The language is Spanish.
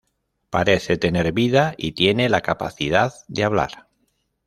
Parece tener vida y tiene la capacidad de hablar.